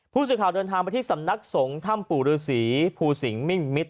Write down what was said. ผู้สื่อข่าวเดินทางไปที่สำนักสงฆ์ถ้ำปู่ฤษีภูสิงหมิ่งมิตร